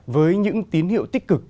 với những tín hiệu tích cực